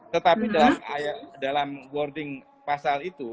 tetapi dalam warding pasal itu